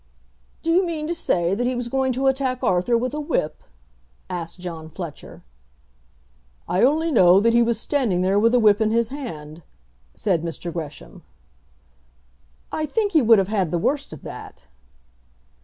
"Do you mean to say that he was going to attack Arthur with a whip?" asked John Fletcher. "I only know that he was standing there with a whip in his hand," said Mr. Gresham. "I think he would have had the worst of that."